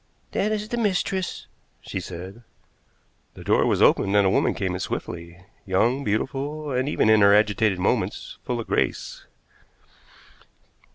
"That is the mistress," she said. The door was opened, and a woman came in swiftly, young, beautiful, and, even in her agitated movements, full of grace.